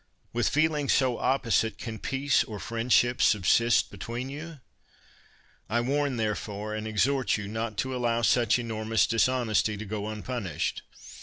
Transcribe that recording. With feelings so opposite, can peace or friendship subsist between you? I warn, there fore, and exhort you, not to allow such enor mous dishonesty to go unpunished.